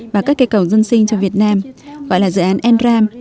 và các cây cầu dân sinh cho việt nam gọi là dự án n ram